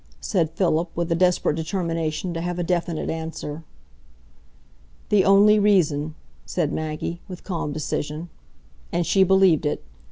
said Philip, with a desperate determination to have a definite answer. "The only reason," said Maggie, with calm decision. And she believed it.